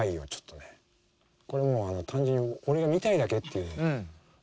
これはもう単純に俺が見たいだけっていう。